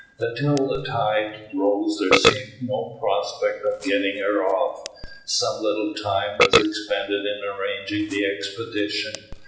Till the tide rose there seemed no prospect of getting her off. Some little time was expended in arranging the expedition.